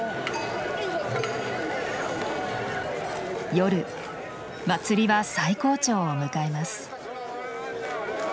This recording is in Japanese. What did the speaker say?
夜祭りは最高潮を迎えます。